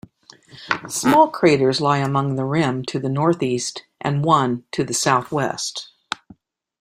Small craters lie along the rim to the northeast and one to the southwest.